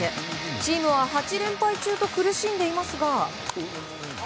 チームは８連敗中と苦しんでいますが。